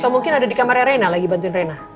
atau mungkin ada di kamarnya reina lagi bantuin rena